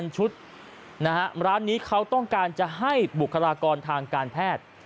ชุดนะฮะร้านนี้เขาต้องการจะให้บุคลากรทางการแพทย์